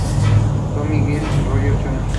Tommy Giles Rogers, Jr.